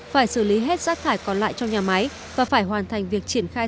phải xử lý hết rác thải còn lại trong nhà máy và phải hoàn thành việc triển khai